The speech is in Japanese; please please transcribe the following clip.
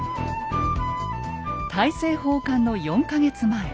大政奉還の４か月前。